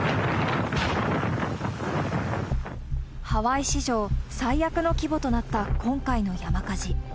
ハワイ史上、最悪の規模となった今回の山火事。